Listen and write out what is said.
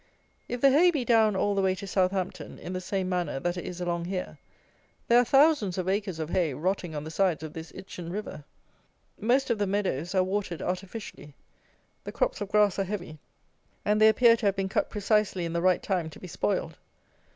If the hay be down all the way to Southampton in the same manner that it is along here, there are thousands of acres of hay rotting on the sides of this Itchen river. Most of the meadows are watered artificially. The crops of grass are heavy, and they appear to have been cut precisely in the right time to be spoiled.